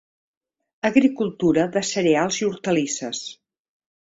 Agricultura de cereals i hortalisses.